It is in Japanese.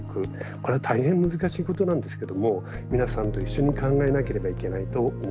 これは大変難しいことなんですけども皆さんと一緒に考えなければいけないと思っています。